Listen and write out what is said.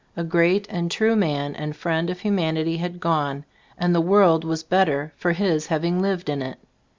A great and true man and friend of humanity had gone, and the world was better for his having lived in it.